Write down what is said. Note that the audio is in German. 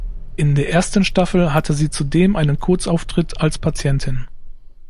In der ersten Staffel hatte sie zudem einen Kurzauftritt als Patientin.